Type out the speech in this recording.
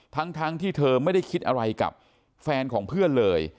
ทั้งที่เธอไม่ได้คิดอะไรกับแฟนของเพื่อนเลย